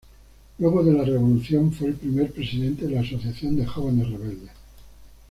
Luego de la revolución fue el primer presidente de la Asociación de Jóvenes Rebeldes.